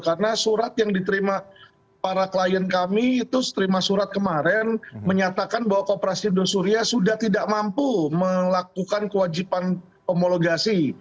karena surat yang diterima para klien kami itu seterima surat kemarin menyatakan bahwa koperasi dosuria sudah tidak mampu melakukan kewajiban homologasi